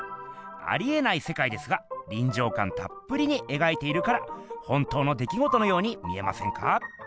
ありえないせかいですがりんじょうかんたっぷりにえがいているから本当の出来ごとのように見えませんか？